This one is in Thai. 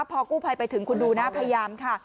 พอกู้ภัยไปถึงคุณดูนะพยายามค่ะ